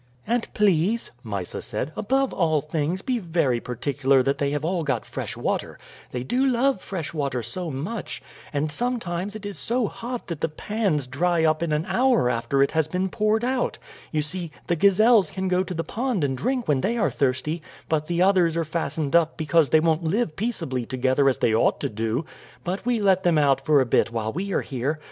"And please," Mysa said, "above all things be very particular that they have all got fresh water; they do love fresh water so much, and sometimes it is so hot that the pans dry up in an hour after it has been poured out. You see, the gazelles can go to the pond and drink when they are thirsty, but the others are fastened up because they won't live peaceably together as they ought to do; but we let them out for a bit while we are here.